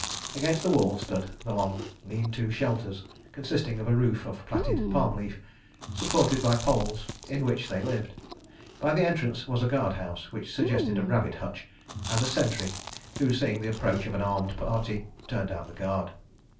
Against the wall stood the long lean to shelters, consisting of a roof of plaited palm leaf, supported by poles, in which they lived. By the entrance was a guard house, which suggested a rabbit hutch; and a sentry, who, seeing the approach of an armed party, turned out the guard.